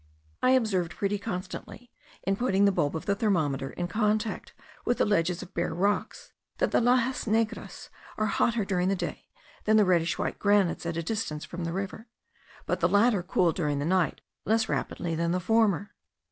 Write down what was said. I observed pretty constantly, in putting the bulb of the thermometer in contact with the ledges of bare rocks, that the laxas negras are hotter during the day than the reddish white granites at a distance from the river; but the latter cool during the night less rapidly than the former.